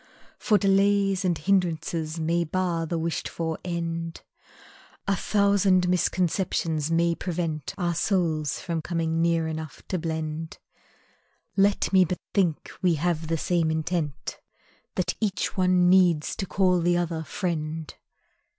For delays And hindrances may bar the wished for end; A thousand misconceptions may prevent Our souls from coming near enough to blend; Let me but think we have the same intent, That each one needs to call the other, "friend!"